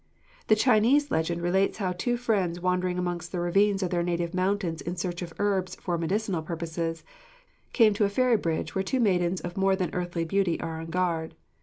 The Chinese legend relates how two friends wandering amongst the ravines of their native mountains in search of herbs for medicinal purposes, come to a fairy bridge where two maidens of more than earthly beauty are on guard.